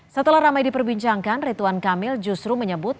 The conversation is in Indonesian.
setelah ramai diperbincangkan rituan kamil justru menyebut